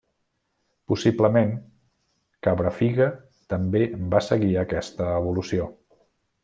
Possiblement, Cabrafiga, també va seguir aquesta evolució.